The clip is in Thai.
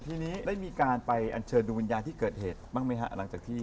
ทีนี้ได้มีการไปอันเชิญดูวิญญาณที่เกิดเหตุบ้างไหมฮะหลังจากที่